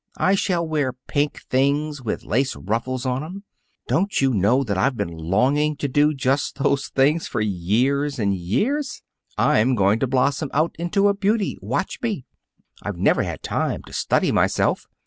I shall wear pink things with lace ruffles on 'em. Don't you know that I've been longing to do just those things for years and years? I'm going to blossom out into a beauty. Watch me! I've never had time to study myself.